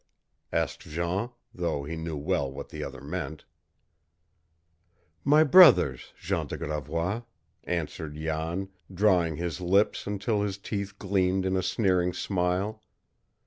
asked Jean, though he knew well what the other meant. "My brothers, Jean de Gravois," answered Jan, drawing his lips until his teeth gleamed in a sneering smile.